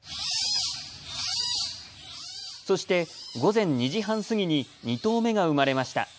そして、午前２時半過ぎに２頭目が生まれました。